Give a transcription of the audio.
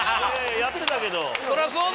やってたけど。